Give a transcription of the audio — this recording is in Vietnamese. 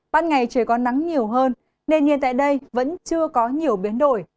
ban ngày trời có nắng nhiều hơn nền nhiệt tại đây vẫn chưa có nhiều biến đổi